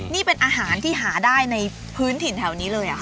นี่เป็นอาหารที่หาได้ในพื้นถิ่นแถวนี้เลยค่ะ